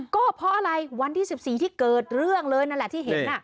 ก็เพราะอะไรวันที่๑๔ที่เกิดเรื่องเลยนั่นแหละที่เห็น